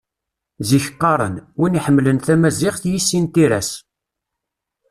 Zik qqaren: Win iḥemmlen tamaziɣt, yissin tira-s.